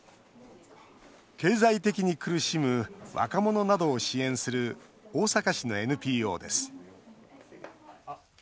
経済的に苦しむ若者などを支援する大阪市のＮＰＯです。